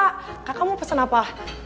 kakak mau pesen apa